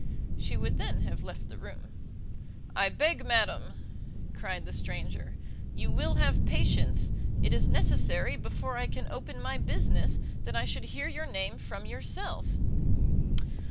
She would then have left the room. "I beg, madam," cried the stranger, "you will have patience; it is necessary, before I can open my business, that I should hear your name from yourself."